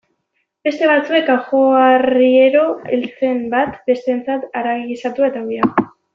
Beste batzuek ajoarriero eltzeren bat, besteentzat haragi gisatua eta ogia.